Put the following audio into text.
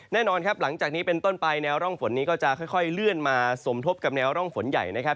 แน่นอนครับหลังจากนี้เป็นต้นไปแนวร่องฝนนี้ก็จะค่อยเลื่อนมาสมทบกับแนวร่องฝนใหญ่นะครับ